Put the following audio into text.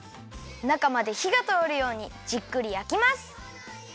なかまでひがとおるようにじっくりやきます。